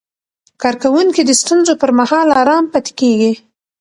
کارکوونکي د ستونزو پر مهال آرام پاتې کېږي.